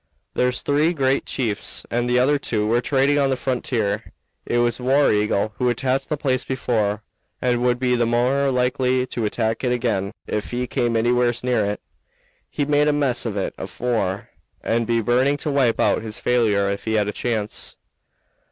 There's three great chiefs, and the other two were trading on the frontier. It was War Eagle who attacked the place afore, and would be the more likely to attack it again if he came anywheres near it. He made a mess of it afore and 'd be burning to wipe out his failure if he had a chance."